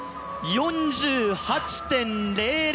４８．００！